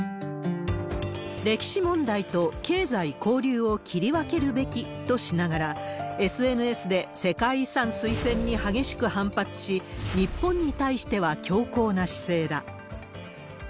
歴史問題と経済交流を切り分けるべきとしながら、ＳＮＳで世界遺産推薦に激しく反発し、日本に対しては強硬な姿勢だ。